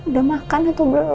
udah makan atau belum